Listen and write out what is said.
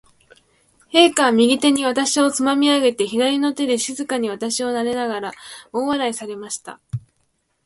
陛下は、右手に私をつまみ上げて、左の手で静かに私をなでながら、大笑いされました。